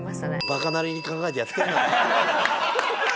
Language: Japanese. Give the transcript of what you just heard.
バカなりに考えてやってんだね。